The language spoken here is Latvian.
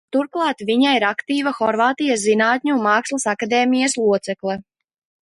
Turklāt viņa ir aktīva Horvātijas Zinātņu un mākslas akadēmijas locekle.